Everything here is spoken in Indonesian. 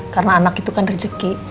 karena anak itu kan rezeki